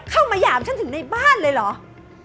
หมาหยามฉันถึงในบ้านเลยเหรอ